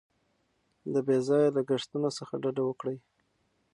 د بې ځایه لګښتونو څخه ډډه وکړئ.